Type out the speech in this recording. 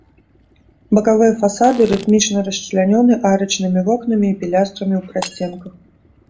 Бакавыя фасады рытмічна расчлянёны арачнымі вокнамі і пілястрамі ў прасценках.